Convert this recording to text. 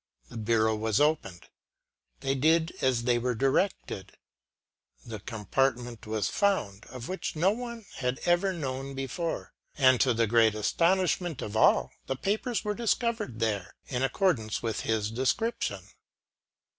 The bureau was opened ; they did as they were directed ; the compartment was found, of which no one had ever known before ; and to the great astonishment of all, the papers were discovered there, in accordance with his description.